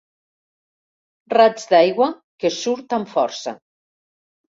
Raig d'aigua que surt amb força.